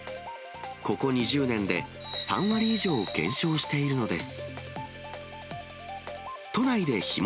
ここ２０年で３割以上減少しているのです。